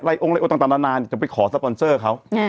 อะไรโอต่างนานาจะไปขอสปอนเซอร์เขา